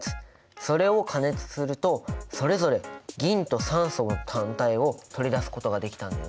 それを加熱するとそれぞれ銀と酸素の単体を取り出すことができたんだよね。